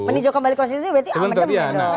meninjau kembali konstitusi berarti amat demen dong